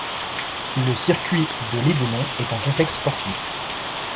Le circuit de Lédenon est un complexe sportif.